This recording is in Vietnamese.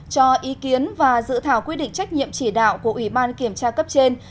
cho ý kiến và dự thảo quy định trách nhiệm chỉ đạo của ủy ban kiểm tra cấp trên